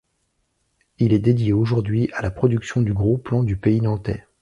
Il est dédié aujourd'hui à la production du gros plant du pays nantais.